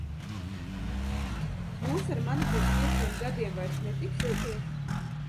Jūs ar mani pēc pieciem gadiem vairs netiksieties?